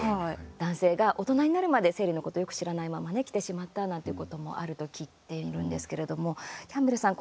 男性が大人になるまで生理のことよく知らないままねきてしまったなんていうこともあると聞いているんですけれどもキャンベルさん